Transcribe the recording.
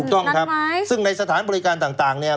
ถูกต้องครับซึ่งในสถานบริการต่างเนี่ย